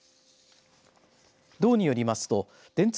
道によりますと電通